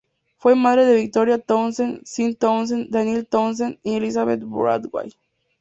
Fue madre de Victoria Townsend, Sean Townsend, Daniel Townsend y Elizabeth Broadway.